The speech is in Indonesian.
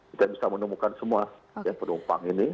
kita bisa menemukan semua penumpang ini